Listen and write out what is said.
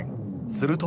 すると。